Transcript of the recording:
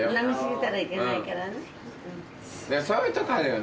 そういうとこあるよ